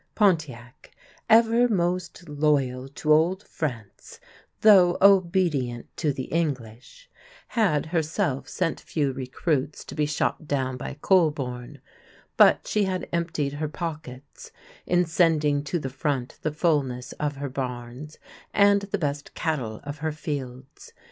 Pontiac, ever most loyal to old France, though obedient to the English, had herself sent few recruits to be shot down by Colborne, but she had emptied her pockets in sending to the front the fulness of her barns and the best cattle of her fields.